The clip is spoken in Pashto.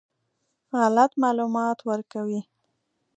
غلط معلومات ورکوي.